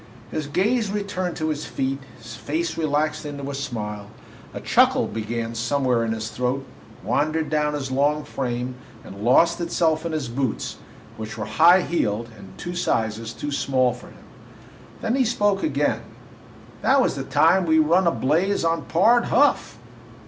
His gaze returned to his feet, his face relaxed into a smile, a chuckle began somewhere in his throat, wandered down his long frame and lost itself in his boots, which were high heeled and two sizes too small for him. Then he spoke again: "That was the time we run a blaze on Pard Huff."